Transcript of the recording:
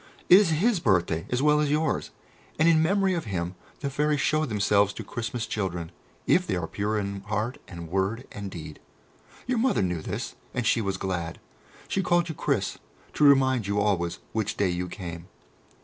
It is His birthday as well as yours, and in memory of Him the Fairies show themselves to Christmas children, if they are pure in heart and word and deed. Your Mother knew this, and she was glad. She called you 'Chris' to remind you always which day you came."